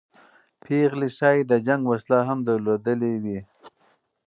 پېغلې ښایي د جنګ وسله هم درلودلې وای.